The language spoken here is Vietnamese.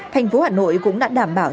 thành phố hà nội cũng đã đảm bảo